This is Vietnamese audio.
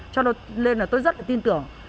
cho nên là tôi rất là tin tưởng